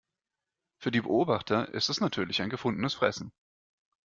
Für die Beobachter ist es natürlich ein gefundenes Fressen.